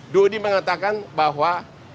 dodi mengatakan bahwa